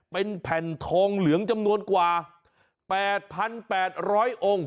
เป็นแผ่นทองเหลืองจำนวนกว่า๘๘๐๐องค์